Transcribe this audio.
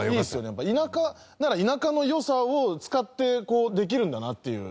やっぱ田舎なら田舎の良さを使ってこうできるんだなっていう。